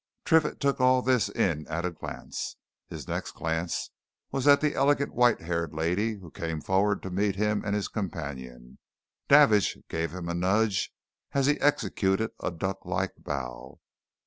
Triffitt took all this in at a glance; his next glance was at the elegant, white haired lady who came forward to meet him and his companion. Davidge gave him a nudge as he executed a duck like bow.